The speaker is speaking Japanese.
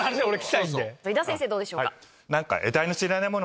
井田先生どうでしょうか？